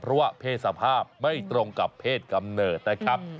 เพราะว่าเพศสภาพไม่ตรงกับเพศกำเนิดนะครับ